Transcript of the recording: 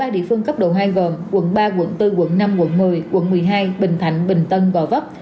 ba địa phương cấp độ hai gồm quận ba quận bốn quận năm quận một mươi quận một mươi hai bình thạnh bình tân gò vấp